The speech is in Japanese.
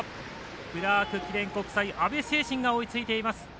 クラーク記念国際、安部政信が追いついています。